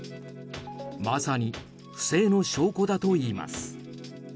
まさに不正の証拠だといいます。